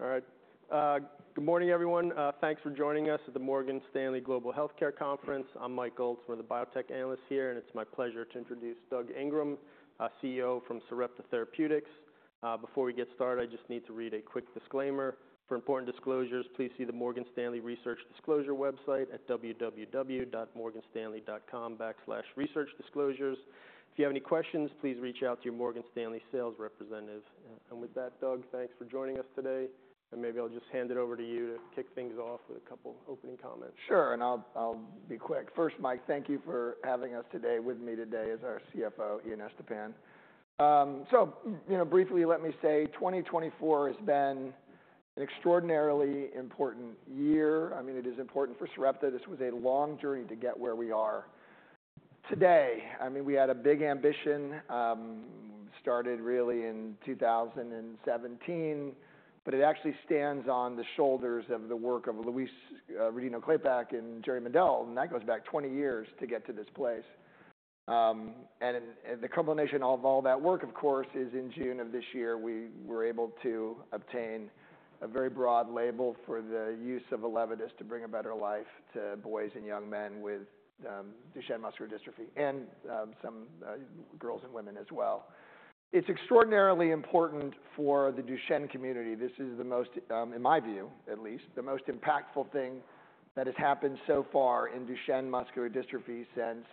All right. Good morning, everyone. Thanks for joining us at the Morgan Stanley Global Healthcare Conference. I'm Mike Ulz, one of the biotech analyst here, and it's my pleasure to introduce Doug Ingram, CEO from Sarepta Therapeutics. Before we get started, I just need to read a quick disclaimer. For important disclosures, please see the Morgan Stanley research disclosure website at www.morganstanley.com/researchdisclosures. If you have any questions, please reach out to your Morgan Stanley sales representative. And with that, Doug, thanks for joining us today, and maybe I'll just hand it over to you to kick things off with a couple opening comments. Sure, and I'll be quick. First, Mike, thank you for having us today. With me today is our CFO, Ian Estepan. So, you know, briefly, let me say 2024 has been an extraordinarily important year. I mean, it is important for Sarepta. This was a long journey to get where we are today. I mean, we had a big ambition, started really in 2017, but it actually stands on the shoulders of the work of Louise Rodino-Klapac and Jerry Mendell, and that goes back 20 years to get to this place. And the culmination of all that work, of course, is in June of this year. We were able to obtain a very broad label for the use of ELEVIDYS to bring a better life to boys and young men with Duchenne muscular dystrophy and some girls and women as well. It's extraordinarily important for the Duchenne community. This is the most, in my view, at least, the most impactful thing that has happened so far in Duchenne muscular dystrophy since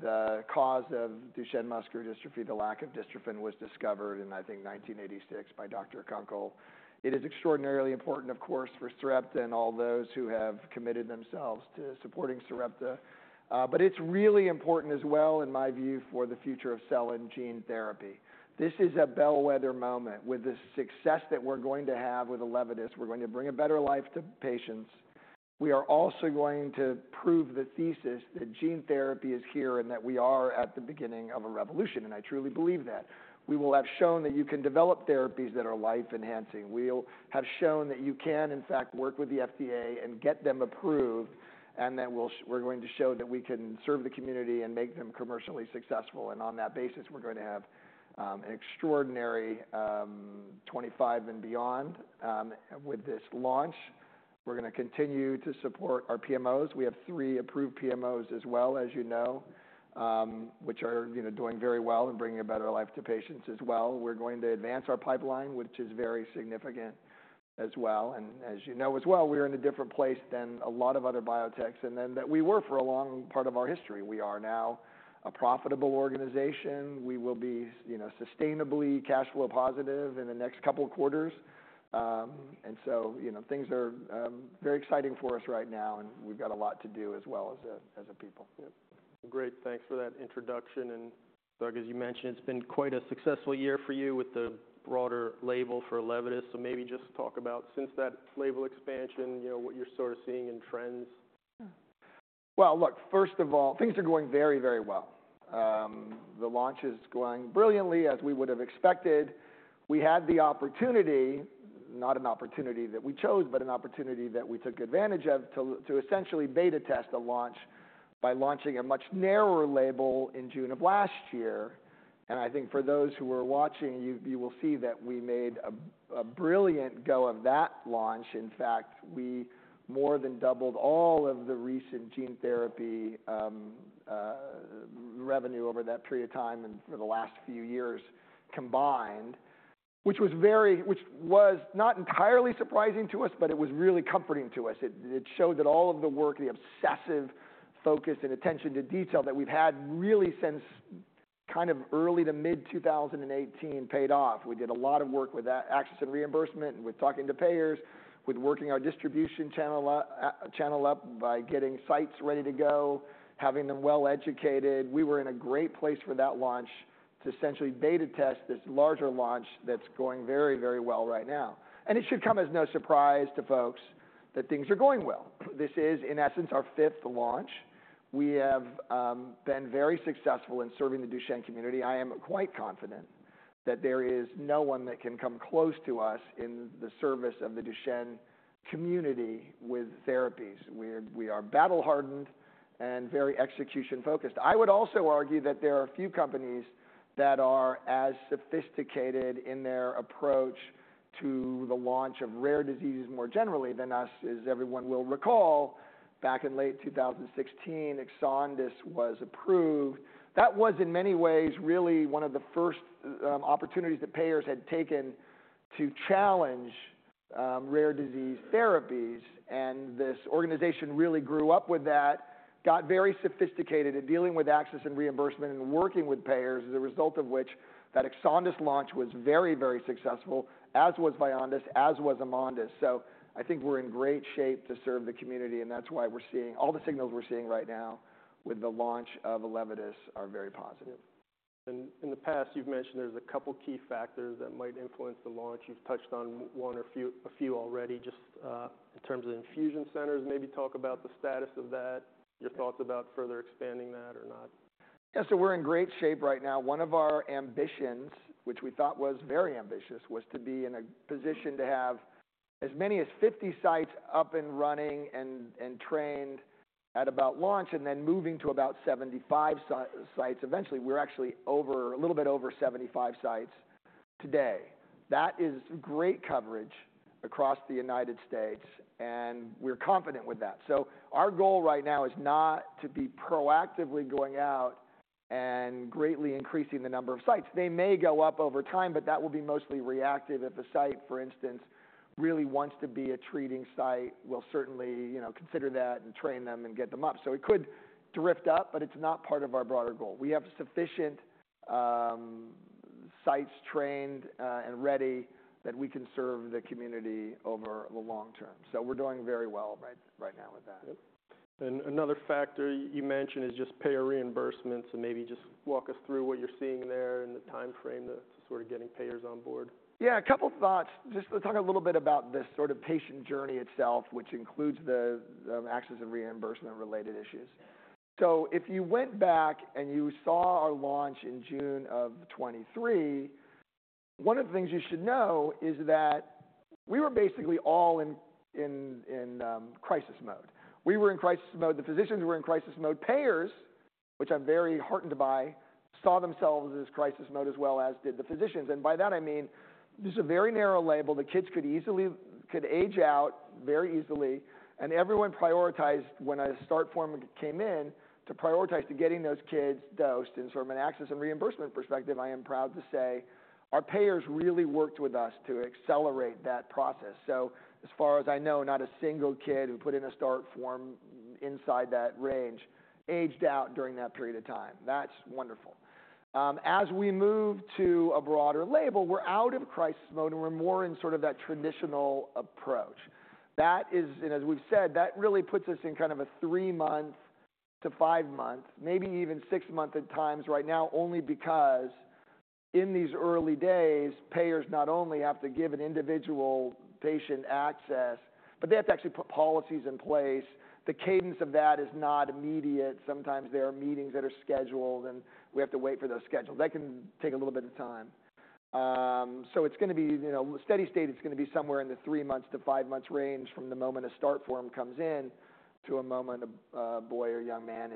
the cause of Duchenne muscular dystrophy. The lack of dystrophin, was discovered in, I think, 1986 by Dr. Kunkel. It is extraordinarily important, of course, for Sarepta and all those who have committed themselves to supporting Sarepta, but it's really important as well, in my view, for the future of cell and gene therapy. This is a bellwether moment. With the success that we're going to have with ELEVIDYS, we're going to bring a better life to patients. We are also going to prove the thesis that gene therapy is here and that we are at the beginning of a revolution, and I truly believe that. We will have shown that you can develop therapies that are life-enhancing. We'll have shown that you can, in fact, work with the FDA and get them approved, and then we're going to show that we can serve the community and make them commercially successful, and on that basis, we're going to have an extraordinary 2025 and beyond with this launch. We're gonna continue to support our PMOs. We have three approved PMOs as well, as you know, which are, you know, doing very well and bringing a better life to patients as well. We're going to advance our pipeline, which is very significant as well. And as you know as well, we're in a different place than a lot of other biotechs, and than that we were for a long part of our history. We are now a profitable organization. We will be, you know, sustainably cash flow positive in the next couple of quarters, and so, you know, things are very exciting for us right now, and we've got a lot to do as well as a people. Yeah. Great. Thanks for that introduction, and Doug, as you mentioned, it's been quite a successful year for you with the broader label for ELEVIDYS, so maybe just talk about since that label expansion, you know, what you're sort of seeing in trends. Look, first of all, things are going very, very well. The launch is going brilliantly, as we would have expected. We had the opportunity, not an opportunity that we chose but an opportunity that we took advantage of, to essentially beta test the launch by launching a much narrower label in June of last year. And I think for those who were watching, you will see that we made a brilliant go of that launch. In fact, we more than doubled all of the recent gene therapy revenue over that period of time and for the last few years combined, which was not entirely surprising to us, but it was really comforting to us. It showed that all of the work, the obsessive focus and attention to detail that we've had really since kind of early to mid-2018 paid off. We did a lot of work with access and reimbursement, with talking to payers, with working our distribution channel up by getting sites ready to go, having them well educated. We were in a great place for that launch to essentially beta test this larger launch that's going very, very well right now, and it should come as no surprise to folks that things are going well. This is, in essence, our fifth launch. We have been very successful in serving the Duchenne community. I am quite confident that there is no one that can come close to us in the service of the Duchenne community with therapies. We're battle-hardened and very execution-focused. I would also argue that there are a few companies that are as sophisticated in their approach to the launch of rare diseases more generally than us. As everyone will recall, back in late 2016, EXONDYS was approved. That was, in many ways, really one of the first opportunities that payers had taken to challenge rare disease therapies, and this organization really grew up with that, got very sophisticated in dealing with access and reimbursement and working with payers, as a result of which that EXONDYS launch was very, very successful, as was VYONDYS, as was AMONDYS 45. So I think we're in great shape to serve the community, and that's why we're seeing all the signals we're seeing right now with the launch of ELEVIDYS are very positive. In the past, you've mentioned there's a couple key factors that might influence the launch. You've touched on one or a few already just in terms of infusion centers. Maybe talk about the status of that, your thoughts about further expanding that or not. Yeah. So we're in great shape right now. One of our ambitions, which we thought was very ambitious, was to be in a position to have as many as 50 sites up and running and trained at about launch, and then moving to about 75 sites eventually. We're actually a little bit over 75 sites today. That is great coverage across the United States, and we're confident with that. So our goal right now is not to be proactively going out and greatly increasing the number of sites. They may go up over time, but that will be mostly reactive. If a site, for instance, really wants to be a treating site, we'll certainly, you know, consider that and train them and get them up. So it could drift up, but it's not part of our broader goal. We have sufficient sites trained and ready that we can serve the community over the long term. So we're doing very well right now with that. Yep. And another factor you mentioned is just payer reimbursements, and maybe just walk us through what you're seeing there and the time frame to sort of getting payers on board. Yeah, a couple thoughts. Just to talk a little bit about the sort of patient journey itself, which includes the access and reimbursement-related issues. So if you went back and you saw our launch in June of 2023, one of the things you should know is that we were basically all in crisis mode. We were in crisis mode. The physicians were in crisis mode. Payers, which I'm very heartened by, saw themselves as crisis mode as well, as did the physicians. And by that, I mean, this is a very narrow label. The kids could easily age out very easily, and everyone prioritized when a start form came in, to prioritize to getting those kids dosed. And from an access and reimbursement perspective, I am proud to say our payers really worked with us to accelerate that process. As far as I know, not a single kid who put in a start form inside that range aged out during that period of time. That's wonderful. As we move to a broader label, we're out of crisis mode, and we're more in sort of that traditional approach. And as we've said, that really puts us in kind of a three month to five month, maybe even six month at times right now, only because in these early days, payers not only have to give an individual patient access but they have to actually put policies in place. The cadence of that is not immediate. Sometimes there are meetings that are scheduled, and we have to wait for those schedules. That can take a little bit of time. So it's gonna be, you know, steady state, it's gonna be somewhere in the three months-to-five months range from the moment a start form comes in, to the moment a boy or a young man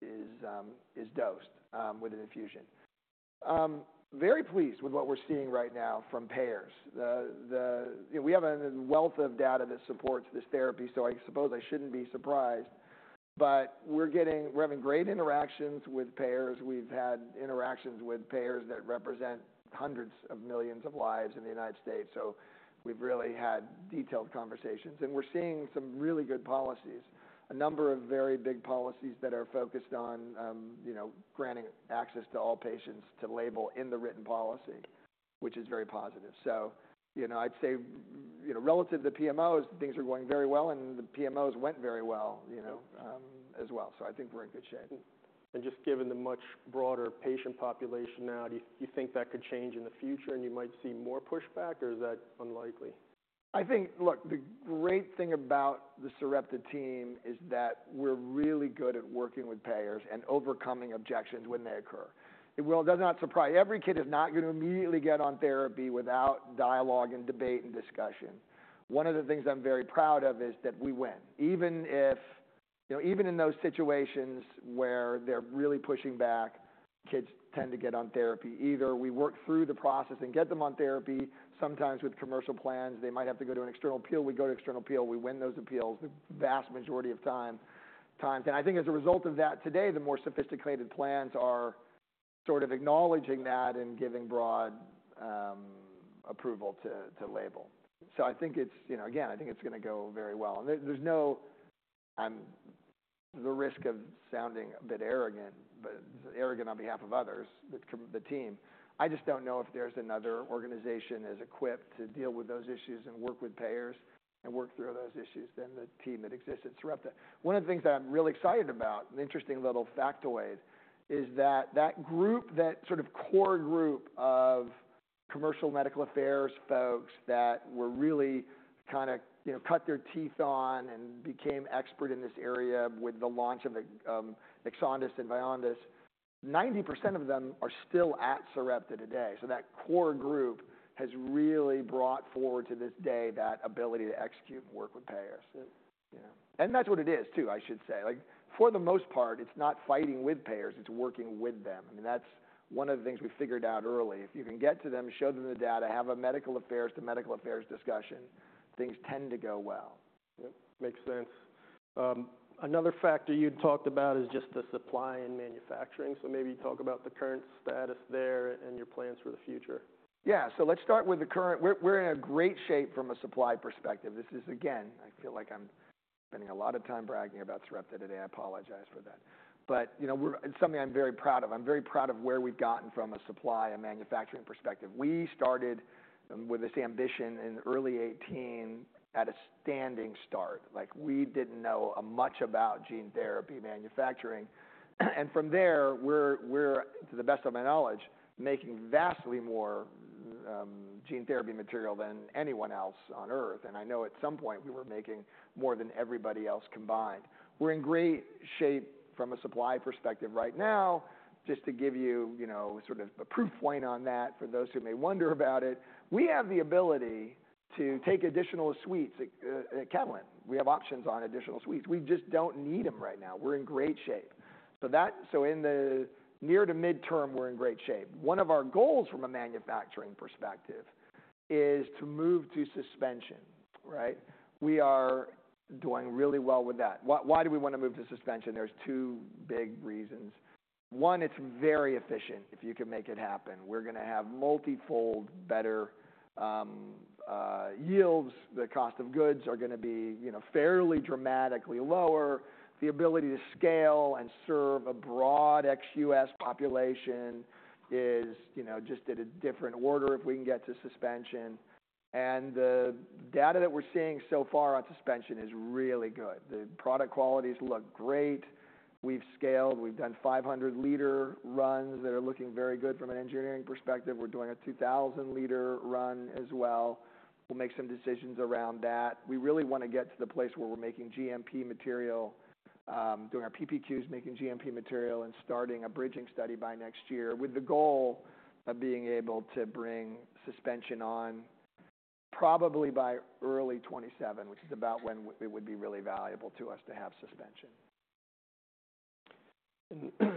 is dosed with an infusion. Very pleased with what we're seeing right now from payers. We have a wealth of data that supports this therapy, so I suppose I shouldn't be surprised, but we're getting, we're having great interactions with payers. We've had interactions with payers that represent hundreds of millions of lives in the United States, so we've really had detailed conversations. And we're seeing some really good policies, a number of very big policies that are focused on, you know, granting access to all patients to label in the written policy, which is very positive. So, you know, I'd say, you know, relative to PMOs, things are going very well, and the PMOs went very well, you know, as well. So I think we're in good shape. Just given the much broader patient population now, do you think that could change in the future and you might see more pushback, or is that unlikely? I think, look, the great thing about the Sarepta team is that we're really good at working with payers and overcoming objections when they occur. Well, that's not surprising. Every kid is not going to immediately get on therapy without dialogue and debate, and discussion. One of the things I'm very proud of is that we win. Even if, you know, even in those situations where they're really pushing back, kids tend to get on therapy. Either we work through the process and get them on therapy. Sometimes, with commercial plans, they might have to go to an external appeal. We go to external appeal. We win those appeals the vast majority of time. And I think, as a result of that, today, the more sophisticated plans are sort of acknowledging that and giving broad approval to label, so I think it's, you know, again, I think it's gonna go very well. And there's no: With the risk of sounding a bit arrogant but arrogant on behalf of others, the team, I just don't know if there's another organization as equipped to deal with those issues and work with payers, and work through those issues than the team that exists at Sarepta. One of the things that I'm really excited about, an interesting little factoid, is that that group, that sort of core group of commercial medical affairs folks that were really kind of, you know, cut their teeth on and became expert in this area with the launch of EXONDYS and VYONDYS, 90% of them are still at Sarepta today. So that core group has really brought forward to this day that ability to execute and work with payers. Yeah. And that's what it is too, I should say. Like, for the most part, it's not fighting with payers, it's working with them. I mean, that's one of the things we figured out early. If you can get to them, show them the data, have a medical affairs-to-medical affairs discussion, things tend to go well. Yep, makes sense. Another factor you've talked about is just the supply and manufacturing, so maybe talk about the current status there and your plans for the future. Yeah. So let's start with the current. We're in great shape from a supply perspective. This is again I feel like I'm spending a lot of time bragging about Sarepta today. I apologize for that, but, you know, it's something I'm very proud of. I'm very proud of where we've gotten from a supply and manufacturing perspective. We started with this ambition in early 2018 at a standing start. Like we didn't know much about gene therapy manufacturing. And from there, we're, to the best of my knowledge, making vastly more gene therapy material than anyone else on Earth. And I know, at some point, we were making more than everybody else combined. We're in great shape from a supply perspective right now. Just to give you, you know, sort of a proof point on that, for those who may wonder about it: We have the ability to take additional suites at Catalent. We have options on additional suites. We just don't need them right now. We're in great shape. So in the near to midterm, we're in great shape. One of our goals from a manufacturing perspective is to move to suspension, right? We are doing really well with that. Why do we want to move to suspension? There's two big reasons. One, it's very efficient if you can make it happen. We're gonna have multifold better yields. The cost of goods are gonna be, you know, fairly dramatically lower. The ability to scale and serve a broad ex US population is, you know, just at a different order if we can get to suspension. The data that we're seeing so far on suspension is really good. The product qualities look great. We've scaled. We've done 500 L runs that are looking very good from an engineering perspective. We're doing a 2,000 L run as well. We'll make some decisions around that. We really want to get to the place where we're making GMP material, doing our PPQs, making GMP material, and starting a bridging study by next year, with the goal of being able to bring suspension on probably by early 2027, which is about when it would be really valuable to us to have suspension.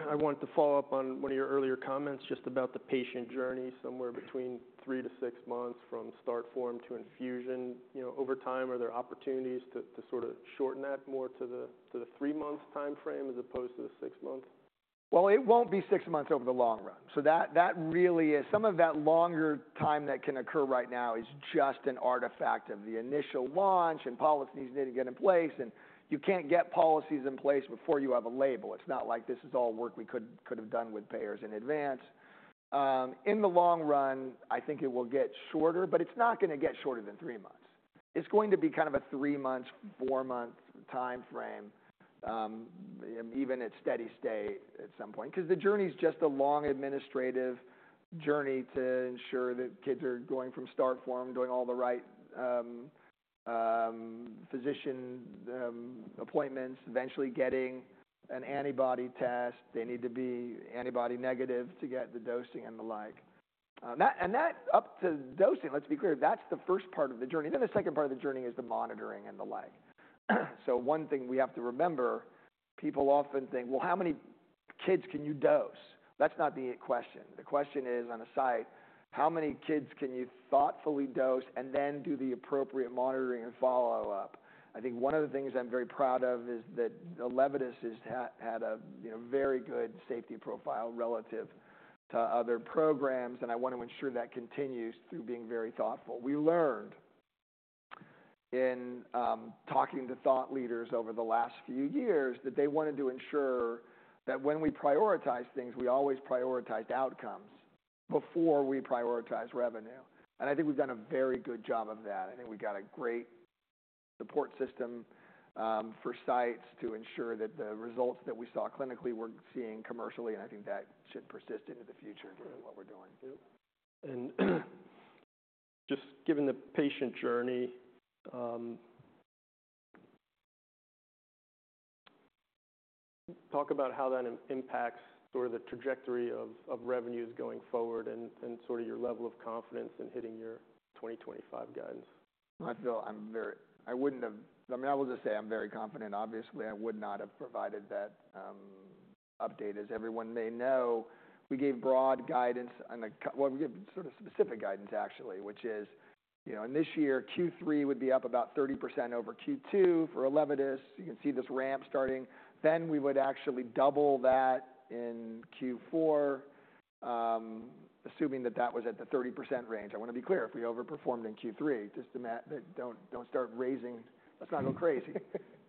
I wanted to follow up on one of your earlier comments just about the patient journey, somewhere between three to six months from start form to infusion. You know, over time, are there opportunities to sort of shorten that more to the three-month timeframe, as opposed to the six months? Well, it won't be six months over the long run. So that really is some of that longer time that can occur right now is just an artifact of the initial launch and policies needing to get in place, and you can't get policies in place before you have a label. It's not like this is all work we could have done with payers in advance. In the long run, I think it will get shorter, but it's not gonna get shorter than three months. It's going to be kind of a three-month, four-month timeframe, even at steady state at some point, because the journey's just a long administrative journey to ensure that kids are going from start form, doing all the right physician appointments, eventually getting an antibody test. They need to be antibody negative to get the dosing and the like, that. And that, up to dosing, let's be clear, that's the first part of the journey. Then the second part of the journey is the monitoring and the like. So one thing we have to remember: People often think, "Well, how many kids can you dose?" That's not the question. The question is, on a site, how many kids can you thoughtfully dose and then do the appropriate monitoring and follow-up? I think one of the things I'm very proud of is that ELEVIDYS has had a, you know, very good safety profile relative to other programs, and I want to ensure that continues through being very thoughtful. We learned, in talking to thought leaders over the last few years, that they wanted to ensure that when we prioritized things, we always prioritized outcomes before we prioritized revenue. I think we've done a very good job of that. I think we've got a great support system for sites to ensure that, the results that we saw clinically, we're seeing commercially, and I think that should persist into the future given what we're doing. Yep. And just given the patient journey, talk about how that impacts sort of the trajectory of revenues going forward, and sort of your level of confidence in hitting your 2025 guidance. I feel I'm very confident. I mean I will just say I'm very confident. Obviously, I would not have provided that update. As everyone may know, we gave sort of specific guidance, actually, which is, you know, in this year, Q3 would be up about 30% over Q2 for ELEVIDYS. You can see this ramp starting. Then we would actually double that in Q4, assuming that that was at the 30% range. I want to be clear: if we overperformed in Q3. Just don't start raising. Let's not go crazy,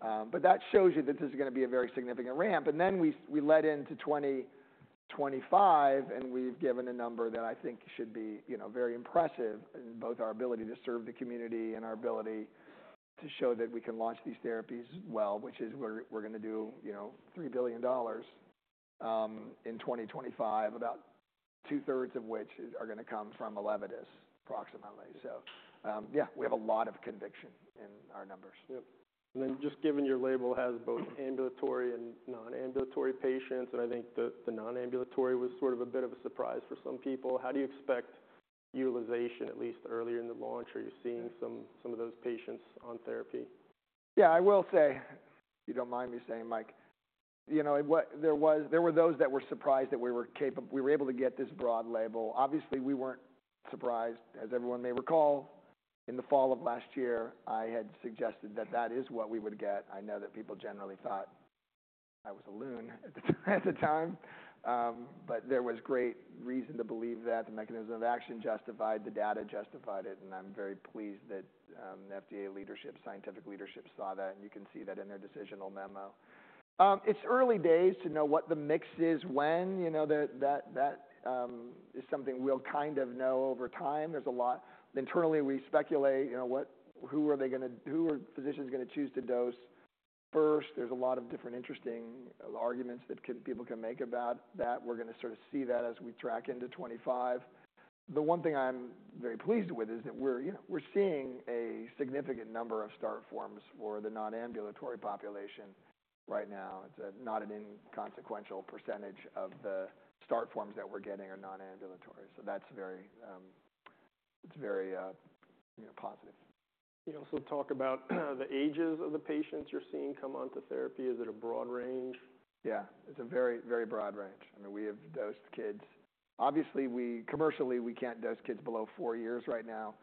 but that shows you that this is gonna be a very significant ramp. Then we led into 2025, and we've given a number that I think should be, you know, very impressive in both our ability to serve the community and our ability to show that we can launch these therapies well, which is we're gonna do, you know, $3 billion in 2025, about 2/3 of which are gonna come from ELEVIDYS, approximately. So, yeah, we have a lot of conviction in our numbers. Yep. And then just given your label has both ambulatory and non-ambulatory patients, and I think the non-ambulatory was sort of a bit of a surprise for some people, how do you expect utilization, at least earlier in the launch? Are you seeing some of those patients on therapy? Yeah, I will say, if you don't mind me saying, Mike, you know, there were those that were surprised that we were able to get this broad label. Obviously, we weren't surprised. As everyone may recall, in the fall of last year, I had suggested that that is what we would get. I know that people generally thought I was a loon at the time, but there was great reason to believe that. The mechanism of action justified, the data justified it, and I'm very pleased that FDA leadership, scientific leadership, saw that, and you can see that in their decisional memo. It's early days to know what the mix is when. You know, that is something we'll kind of know over time. There's a lot. Internally, we speculate, you know, what, who are they gonna, who are physicians gonna choose to dose first. There's a lot of different interesting arguments that people can make about that. We're gonna sort of see that as we track into 2025. The one thing I'm very pleased with is that we're, you know, we're seeing a significant number of start forms for the non-ambulatory population right now. It's not an inconsequential percentage of the start forms that we're getting are non-ambulatory. So that's very it's very, you know, positive. Can you also talk about the ages of the patients you're seeing come onto therapy? Is it a broad range? Yeah, it's a very broad range. I mean, we have dosed kids. Obviously, commercially, we can't dose kids below four years right now.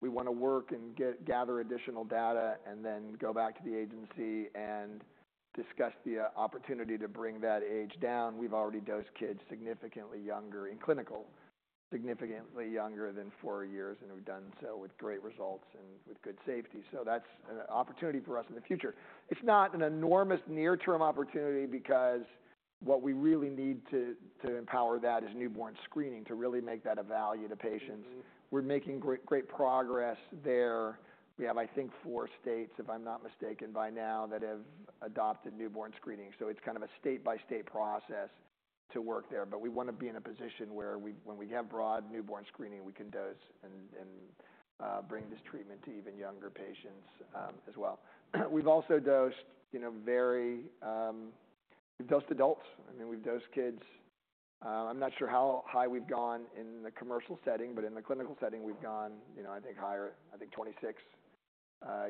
We wanna work and gather additional data and then go back to the agency and discuss the opportunity to bring that age down. We've already dosed kids significantly younger in clinical, significantly younger than four years, and we've done so with great results and with good safety. So that's an opportunity for us in the future. It's not an enormous near-term opportunity because what we really need to empower that is newborn screening, to really make that a value to patients. Mm-hmm. We're making great progress there. We have, I think, four states, if I'm not mistaken, by now that have adopted newborn screening. So it's kind of a state-by-state process to work there, but we wanna be in a position where we, when we have broad newborn screening, we can dose and bring this treatment to even younger patients as well. We've also dosed, you know. We've dosed adults. I mean we've dosed kids. I'm not sure how high we've gone in the commercial setting, but in the clinical setting, we've gone, you know, I think higher, I think, 26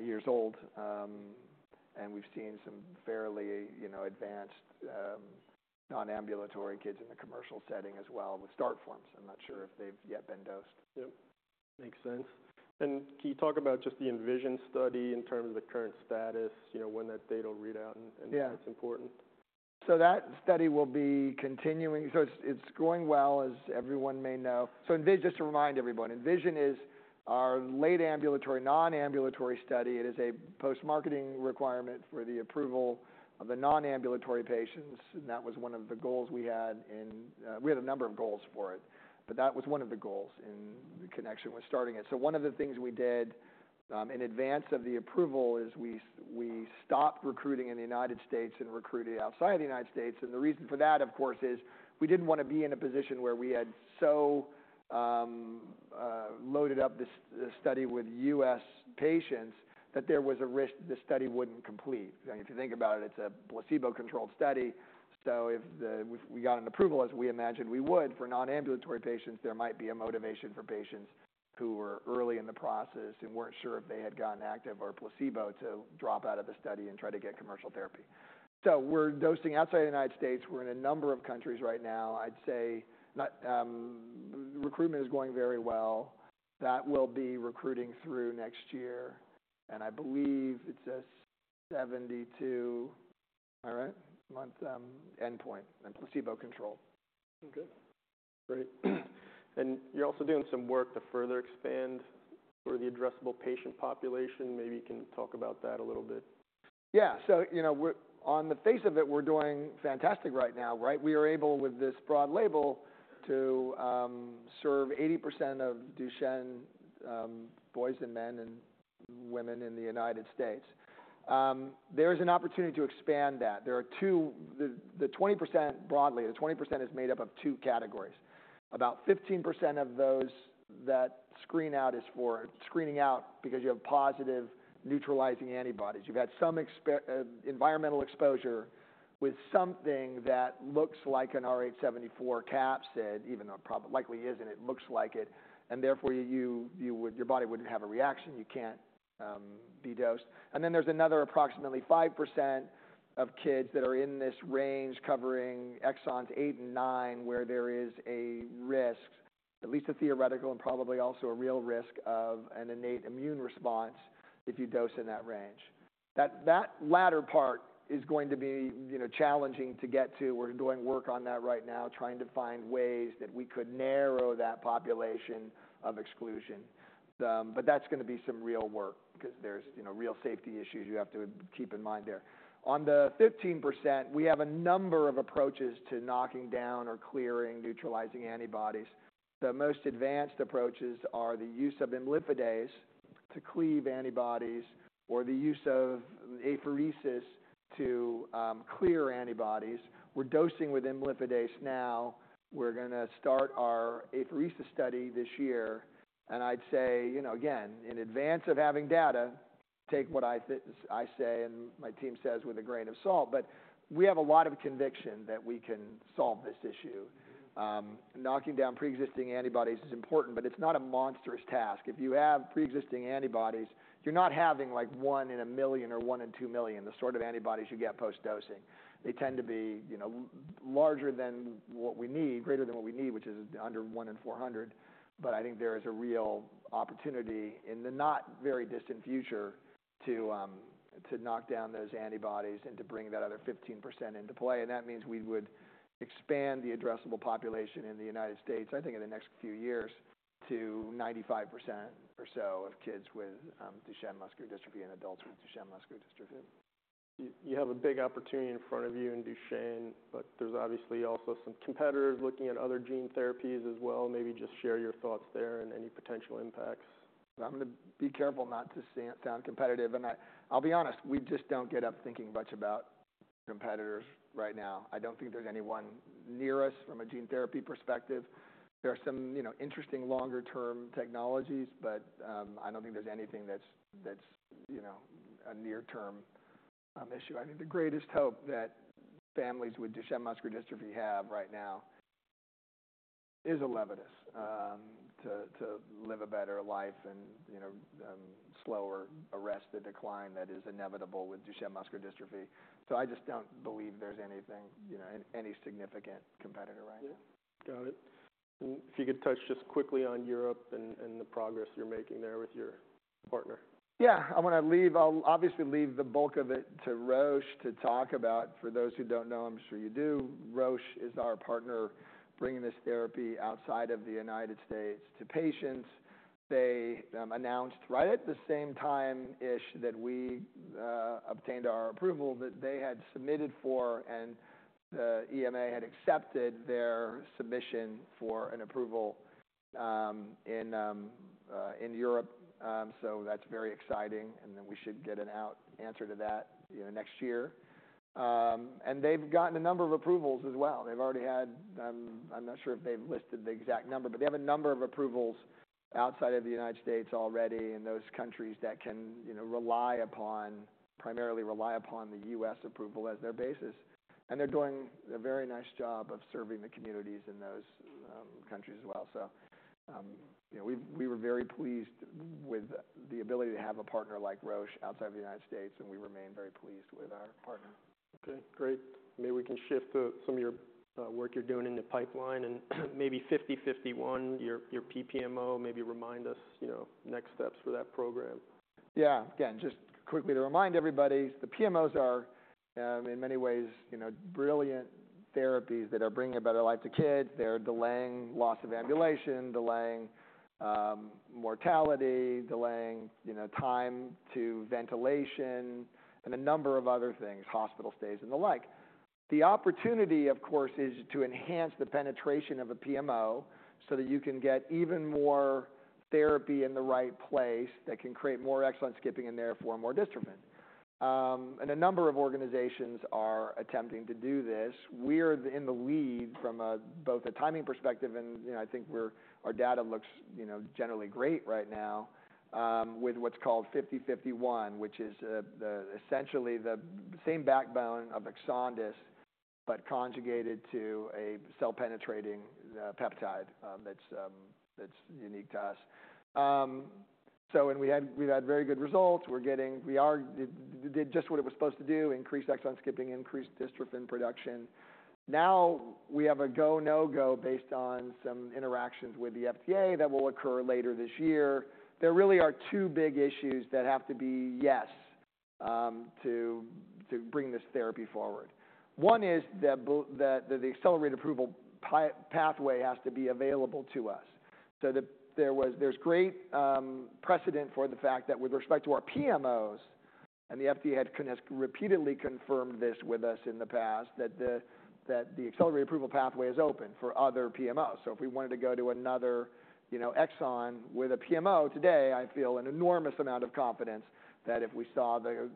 years old. And we've seen some fairly, you know, advanced non-ambulatory kids in the commercial setting as well with start forms. I'm not sure if they've yet been dosed. Yep, makes sense. And can you talk about just the ENVISION study in terms of the current status, you know, when that data will read out and Yeah. What's important? That study will be continuing. It's going well, as everyone may know. Just to remind everybody, ENVISION is late ambulatory, non-ambulatory study. It is a post-marketing requirement for the approval of the non-ambulatory patients, and that was one of the goals we had. We had a number of goals for it, but that was one of the goals in connection with starting it. One of the things we did in advance of the approval is we stopped recruiting in the United States and recruited outside the United States. The reason for that, of course, is we didn't wanna be in a position where we had so loaded up this study with U.S. patients that there was a risk the study wouldn't complete. If you think about it, it's a placebo-controlled study, so if we got an approval, as we imagined we would, for non-ambulatory patients, there might be a motivation for patients who were early in the process and weren't sure if they had gotten active or placebo to drop out of the study and try to get commercial therapy. So we're dosing outside the United States. We're in a number of countries right now. I'd say recruitment is going very well. That will be recruiting through next year, and I believe it's a 72-month endpoint and placebo-controlled. Okay, great. And you're also doing some work to further expand the addressable patient population. Maybe you can talk about that a little bit. Yeah. So, you know, on the face of it, we're doing fantastic right now, right? We are able, with this broad label, to serve 80% of Duchenne boys and men and women in the United States. There's an opportunity to expand that. There are two, the 20%. Broadly, the 20% is made up of two categories. About 15% of those that screen out is for screening out because you have positive neutralizing antibodies. You've had some environmental exposure with something that looks like an rh74 capsid, even though it probably likely isn't. It looks like it, and therefore, your body would have a reaction. You can't be dosed. And then there's another approximately 5% of kids that are in this range covering exons eight and nine, where there is a risk, at least a theoretical and probably also a real risk, of an innate immune response if you dose in that range. That latter part is going to be, you know, challenging to get to. We're doing work on that right now, trying to find ways that we could narrow that population of exclusion, but that's gonna be some real work because there's, you know, real safety issues you have to keep in mind there. On the 15%, we have a number of approaches to knocking down or clearing neutralizing antibodies. The most advanced approaches are the use of imlifidase to cleave antibodies or the use of apheresis to clear antibodies. We're dosing with imlifidase now. We're gonna start our apheresis study this year, and I'd say, you know, again, in advance of having data, take what I say and my team says with a grain of salt, but we have a lot of conviction that we can solve this issue. Mm-hmm. Knocking down pre-existing antibodies is important, but it's not a monstrous task. If you have pre-existing antibodies, you're not having like one in 1 million or one in 2 million, the sort of antibodies you get post dosing. They tend to be, you know, larger than what we need, greater than what we need, which is under one in 400, but I think there is a real opportunity in the not-very-distant future to knock down those antibodies and to bring that other 15% into play. And that means we would expand the addressable population in the United States, I think, in the next few years, to 95% or so of kids with Duchenne muscular dystrophy and adults with Duchenne muscular dystrophy. You have a big opportunity in front of you in Duchenne, but there's obviously also some competitors looking at other gene therapies as well. Maybe just share your thoughts there and any potential impacts. I'm gonna be careful not to sound competitive, and I'll be honest, we just don't get up thinking much about competitors right now. I don't think there's anyone near us from a gene therapy perspective. There are some, you know, interesting longer-term technologies, but I don't think there's anything that's, you know, a near-term issue. I think the greatest hope that families with Duchenne muscular dystrophy have right now is ELEVIDYS, to live a better life and, you know, slower, arrest the decline that is inevitable with Duchenne muscular dystrophy. So I just don't believe there's anything, you know, any significant competitor right now. Yeah. Got it. And if you could touch just quickly on Europe and the progress you're making there with your partner. Yeah, I wanna leave, I'll obviously leave the bulk of it to Roche to talk about. For those who don't know, I'm sure you do, Roche is our partner bringing this therapy outside of the United States to patients. They announced, right at the same time-ish that we obtained our approval, that they had submitted for and the EMA had accepted their submission for an approval in Europe. So that's very exciting, and then we should get an opinion to that, you know, next year. And they've gotten a number of approvals as well. They've already had. I'm not sure if they've listed the exact number, but they have a number of approvals outside of the United States already, in those countries that can, you know, rely upon, primarily, the U.S. approval as their basis. They're doing a very nice job of serving the communities in those countries as well. You know, we were very pleased with the ability to have a partner like Roche outside of the United States, and we remain very pleased with our partner. Okay, great. Maybe we can shift to some of your work you're doing in the pipeline and maybe 5051, your PPMO. Maybe remind us, you know, next steps for that program. Yeah. Again, just quickly to remind everybody, the PMOs are, in many ways, you know, brilliant therapies that are bringing a better life to kids. They're delaying loss of ambulation, delaying mortality, delaying, you know, time to ventilation and a number of other things, hospital stays and the like. The opportunity, of course, is to enhance the penetration of a PMO so that you can get even more therapy in the right place that can create more exon skipping and therefore more dystrophin. And a number of organizations are attempting to do this. We're in the lead from both a timing perspective and, you know, I think our data looks, you know, generally great right now, with what's called 5051, which is essentially the same backbone of EXONDYS but conjugated to a cell-penetrating peptide. That's unique to us. We've had very good results. It did just what it was supposed to do: increase exon skipping, increase dystrophin production. Now, we have a go, no go based on some interactions with the FDA that will occur later this year. There really are two big issues that have to be yes to bring this therapy forward. One is that the accelerated approval pathway has to be available to us. There's great precedent for the fact that, with respect to our PMOs, and the FDA had kind of repeatedly confirmed this with us in the past, that the accelerated approval pathway is open for other PMOs. So if we wanted to go to another, you know, exon with a PMO today, I feel an enormous amount of confidence that if we saw the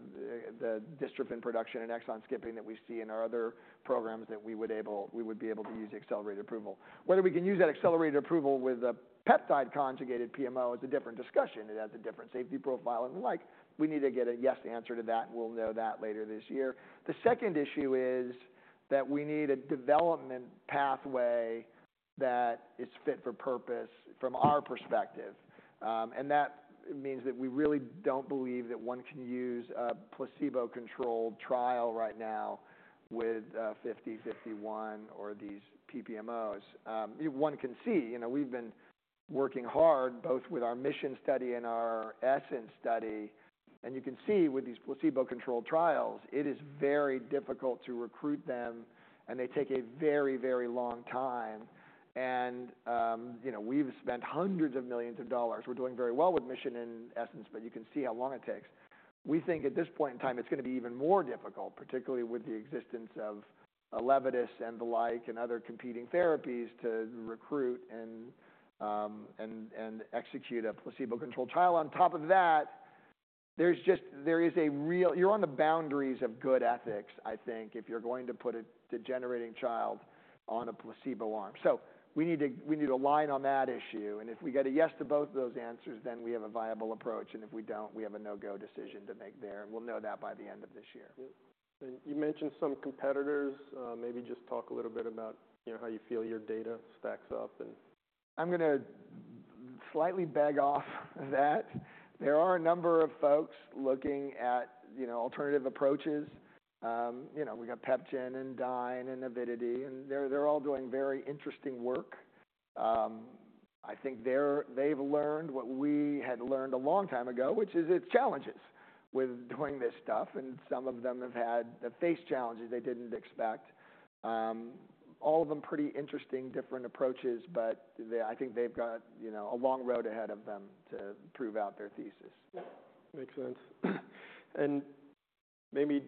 dystrophin production and exon skipping that we see in our other programs, that we would able, we would be able to use accelerated approval. Whether we can use that accelerated approval with a peptide-conjugated PMO is a different discussion. It has a different safety profile and the like. We need to get a yes answer to that, and we'll know that later this year. The second issue is that we need a development pathway that is fit for purpose from our perspective, and that means that we really don't believe that one can use a placebo-controlled trial right now with 5051 or these PPMOs. One can see, you know, we've been working hard, both with our MISSION study and our ESSENCE study. And you can see with these placebo-controlled trials it is very difficult to recruit them, and they take a very, very long time. And, you know, we've spent hundreds of millions of dollars. We're doing very well with MISSION and ESSENCE, but you can see how long it takes. We think at this point in time it's gonna be even more difficult, particularly with the existence of ELEVIDYS and the like and other competing therapies, to recruit and execute a placebo-controlled trial. On top of that, there's just there is a real you're on the boundaries of good ethics, I think, if you're going to put a degenerating child on a placebo arm, so we need to align on that issue. And if we get a yes to both of those answers, then we have a viable approach, and if we don't, we have a no-go decision to make there, and we'll know that by the end of this year. Yep. And you mentioned some competitors. Maybe just talk a little bit about, you know, how you feel your data stacks up and. I'm gonna slightly beg off of that. There are a number of folks looking at, you know, alternative approaches. You know, we got PepGen and Dyne and Avidity, and they're all doing very interesting work. I think they've learned what we had learned a long time ago, which is it's challenges with doing this stuff, and some of them have had faced challenges they didn't expect. All of them pretty interesting, different approaches, but they, I think they've got, you know, a long road ahead of them to prove out their thesis. Makes sense. And maybe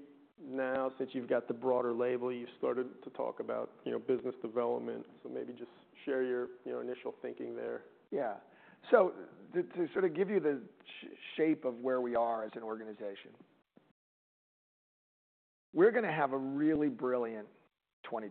now, since you've got the broader label, you've started to talk about, you know, business development. So maybe just share your, you know, initial thinking there. Yeah. To sort of give you the shape of where we are as an organization. We're gonna have a really brilliant 2020s,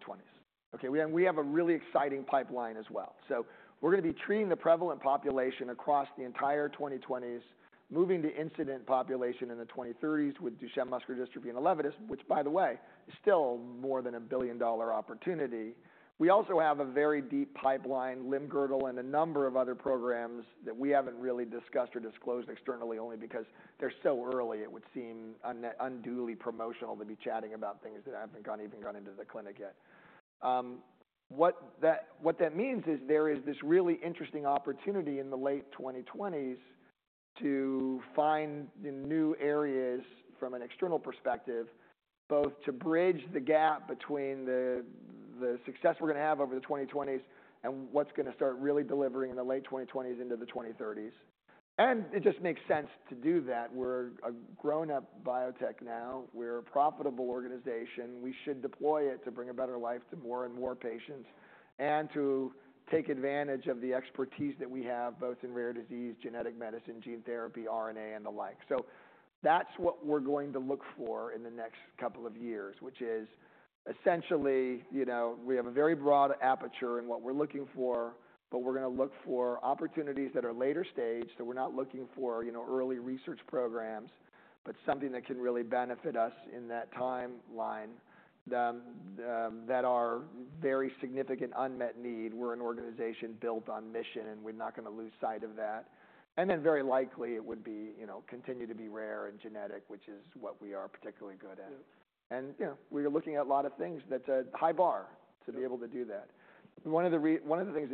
okay? And we have a really exciting pipeline as well. So we're gonna be treating the prevalent population across the entire 2020s, moving to incident population in the 2030s with Duchenne muscular dystrophy and ELEVIDYS, which, by the way, is still more than a $1 billion opportunity. We also have a very deep pipeline, limb-girdle, and a number of other programs that we haven't really discussed or disclosed externally, only because they're so early. It would seem unduly promotional to be chatting about things that haven't even gone into the clinic yet. What that means is there is this really interesting opportunity in the late 2020s to find new areas, from an external perspective, both to bridge the gap between the success we're gonna have over the 2020s and what's gonna start really delivering in the late 2020s into the 2030s. And it just makes sense to do that. We're a grown-up biotech now. We're a profitable organization. We should deploy it to bring a better life to more and more patients, and to take advantage of the expertise that we have both in rare disease, genetic medicine, gene therapy, RNA, and the like. So that's what we're going to look for in the next couple of years, which is essentially, you know, we have a very broad aperture in what we're looking for, but we're gonna look for opportunities that are later stage. So we're not looking for, you know, early research programs but something that can really benefit us in that timeline, that are very significant unmet need. We're an organization built on mission and we're not gonna lose sight of that. And then very likely, it would be, you know, continue to be rare and genetic, which is what we are particularly good at. Yeah. You know, we're looking at a lot of things. That's a high bar to be able to do that. Yeah. One of the things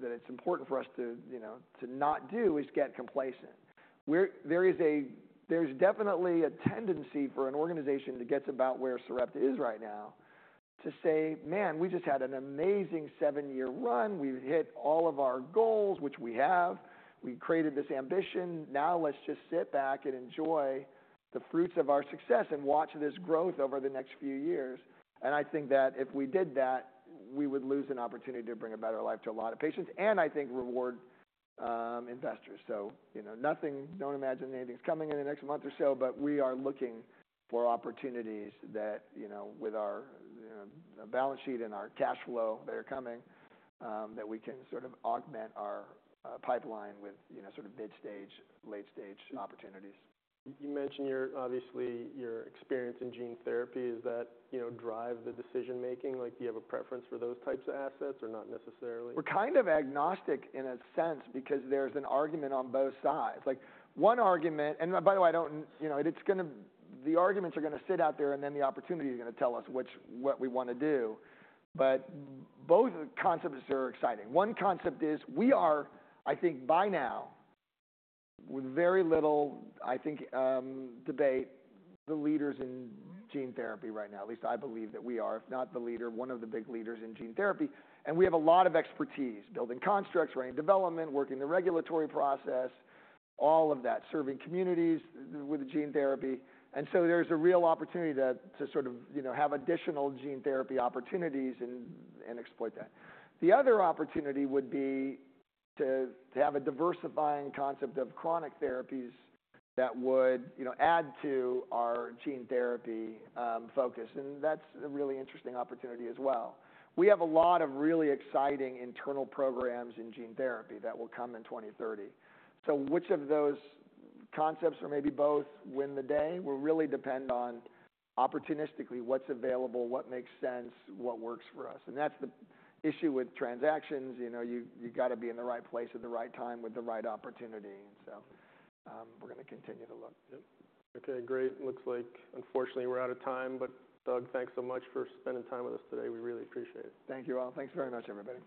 that it's important for us to, you know, to not do, is get complacent. There's definitely a tendency for an organization that gets about where Sarepta is right now to say, "Man, we just had an amazing seven-year run. We've hit all of our goals," which we have. "We created this ambition. Now let's just sit back and enjoy the fruits of our success and watch this growth over the next few years." And I think that if we did that, we would lose an opportunity to bring a better life to a lot of patients and, I think, reward investors, so, you know, nothing. Don't imagine anything's coming in the next month or so, but we are looking for opportunities that, you know, with our balance sheet and our cash flow, that are coming that we can sort of augment our pipeline with, you know, sort of mid-stage, late-stage opportunities. You mentioned, obviously, your experience in gene therapy. Does that, you know, drive the decision-making? Like, do you have a preference for those types of assets or not necessarily? We're kind of agnostic, in a sense, because there's an argument on both sides. Like, one argument, and by the way, I don't. You know, it's gonna, the arguments are gonna sit out there, and then the opportunity is gonna tell us which, what we wanna do, but both concepts are exciting. One concept is we are, I think, by now, with very little, I think, debate, the leaders in gene therapy right now, at least I believe that we are, if not the leader, one of the big leaders in gene therapy. And we have a lot of expertise building constructs, running development, working the regulatory process, all of that, serving communities with gene therapy. And so there's a real opportunity to sort of, you know, have additional gene therapy opportunities and exploit that. The other opportunity would be to have a diversifying concept of chronic therapies that would, you know, add to our gene therapy focus, and that's a really interesting opportunity as well. We have a lot of really exciting internal programs in gene therapy that will come in 2030, so which of those concepts, or maybe both, win the day, will really depend on opportunistically what's available, what makes sense, what works for us. And that's the issue with transactions, you know. You've gotta be in the right place at the right time with the right opportunity. And so, we're gonna continue to look. Yep. Okay, great. Looks like, unfortunately, we're out of time, but Doug, thanks so much for spending time with us today. We really appreciate it. Thank you, all. Thanks very much, everybody.